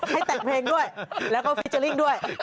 ให้แต่งเพลงด้วยแล้วก็ฟิเจอร์ลิ่งด้วย